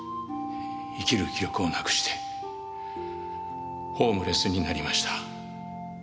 生きる気力をなくしてホームレスになりました。